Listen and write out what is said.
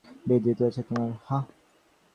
বেশ দৃঢ়তা আছে তোমার, হাহ?